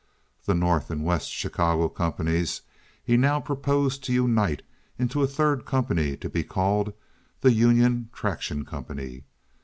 The North and West Chicago companies he now proposed to unite into a third company to be called the Union Traction Company.